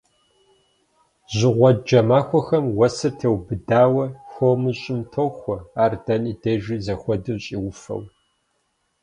Жьыгъуэджэ махуэхэм уэсыр теубыдауэ, хуэму щӏым тохуэ, ар дэнэ дежи зэхуэдэу щӏиуфэу.